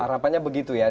harapannya begitu ya